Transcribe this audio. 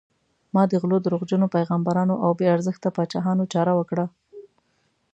ما د غلو، دروغجنو پیغمبرانو او بې ارزښته پاچاهانو چاره وکړه.